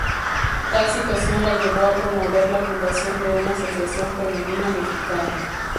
Tal situación la llevó a promover la fundación de una asociación femenina mexicana.